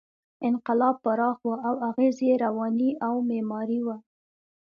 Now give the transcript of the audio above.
انقلاب پراخ و او اغېز یې رواني او معماري و.